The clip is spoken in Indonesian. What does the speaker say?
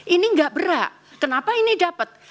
ini enggak berhak kenapa ini dapat